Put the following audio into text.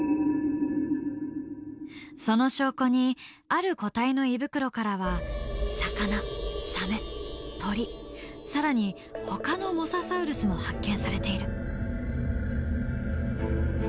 その証拠にある個体の胃袋からは魚サメ鳥更にほかのモササウルスも発見されている。